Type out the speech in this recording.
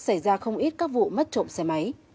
xảy ra không ít các vụ mất trộm xe máy